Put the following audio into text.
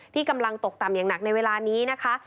ที่กำลังตกต่ำอย่างหนักในเวลานี้นะคะ